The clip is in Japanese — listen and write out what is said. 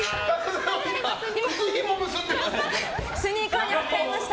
靴ひも結んでました！